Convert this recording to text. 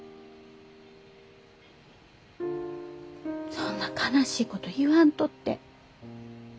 そんな悲しいこと言わんとって。